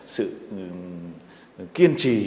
sự kiên trì